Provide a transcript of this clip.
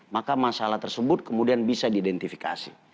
maka masalah tersebut kemudian bisa diidentifikasi